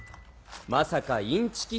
まさかインチキ